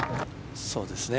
そうですね。